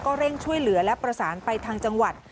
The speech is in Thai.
เร่งช่วยเหลือและประสานไปทางจังหวัด